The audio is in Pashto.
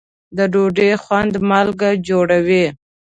د ډوډۍ خوند مالګه جوړوي.